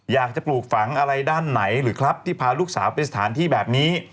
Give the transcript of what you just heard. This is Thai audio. ปลูกฝังอะไรด้านไหนหรือครับที่พาลูกสาวไปสถานที่แบบนี้